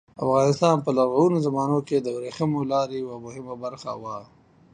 افغانستان په لرغونو زمانو کې د ورېښمو لارې یوه مهمه برخه وه.